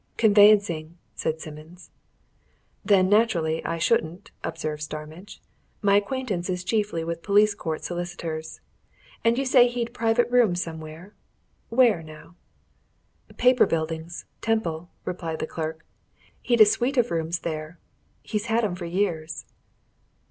"Conveyancing," said Simmons. "Then, naturally, I shouldn't," observed Starmidge. "My acquaintance is chiefly with police court solicitors. And you say he'd private rooms some where? Where, now?" "Paper Buildings, Temple," replied the clerk. "He'd a suite of rooms there he's had 'em for years."